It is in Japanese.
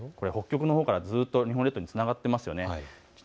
北極のほうからずっと日本列島につながっていますね。